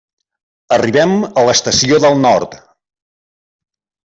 Arribem a l'Estació del Nord.